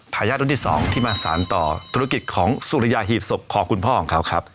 ทายาทรุ่นที่๒ที่มาสารต่อธุรกิจของสุริยาหีบศพของคุณพ่อของเขาครับ